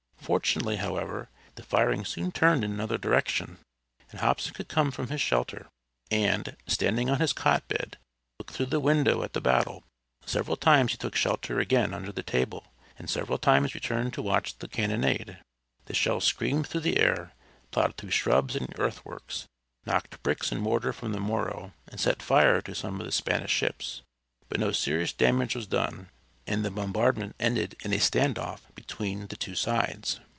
Fortunately, however, the firing soon turned in another direction, and Hobson could come from his shelter, and, standing on his cot bed, look through the window at the battle. Several times he took shelter again under the table, and several times returned to watch the cannonade. The shells screamed through the air; plowed through shrubs and earthworks; knocked bricks and mortar from the Morro, and set fire to some of the Spanish ships. But no serious damage was done, and the bombardment ended in a stand off between the two sides.